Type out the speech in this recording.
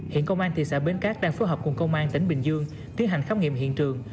hiện công an thị xã bến cát đang phối hợp cùng công an tỉnh bình dương tiến hành khám nghiệm hiện trường